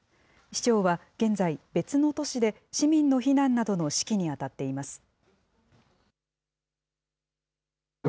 市長は現在、別の都市で市民の避難などの指揮に当たっています。